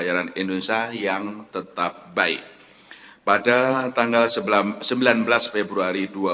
nilai tukar rupiah tetap terkendali sesuai dengan fundamental didukung kinerja narasi indonesia